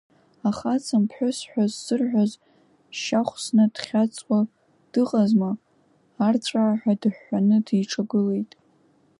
Ахаҵам-ԥҳәыс ҳәа ззырҳәоз Шьахәсна дхьаҵуа дыҟазма, арҵәааҳәа дыҳәҳәаны диҿагылеит.